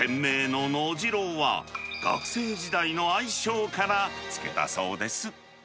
店名ののじろうは、学生時代の愛称から付けたそうです。